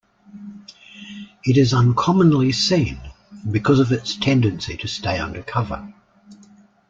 It is uncommonly seen because of its tendency to stay under cover.